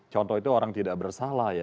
contoh itu orang tidak bersalah ya